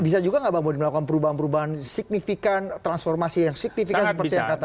bisa juga nggak bang bodi melakukan perubahan perubahan signifikan transformasi yang signifikan seperti yang katakan